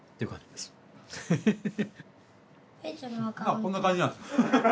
あこんな感じなんです。